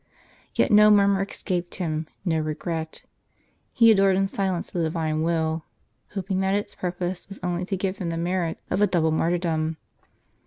Yet no murmur escaped him, no regret. He adored in silence the Divine Will, hoping that its purpose was only to give him the merit of a double martyr dom.